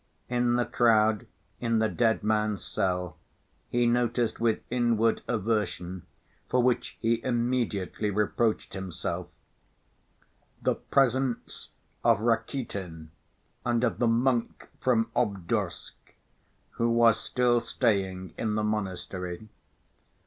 In the crowd in the dead man's cell he noticed with inward aversion (for which he immediately reproached himself) the presence of Rakitin and of the monk from Obdorsk, who was still staying in the monastery.